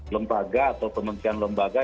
lembaga atau pemerintahan lembaga